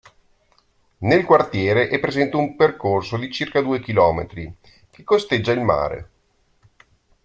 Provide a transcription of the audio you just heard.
Nel quartiere è presente un percorso di circa due chilometri, che costeggia il mare.